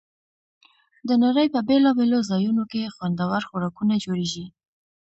د نړۍ په بېلابېلو ځایونو کې خوندور خوراکونه جوړېږي.